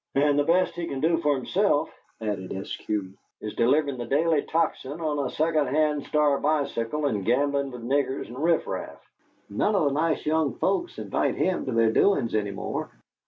"And the best he can do for himself," added Eskew, "is deliverin' the Daily Tocsin on a second hand Star bicycle and gamblin' with niggers and riff raff! None of the nice young folks invite him to their doin's any more."